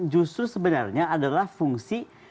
justru sebenarnya adalah fungsi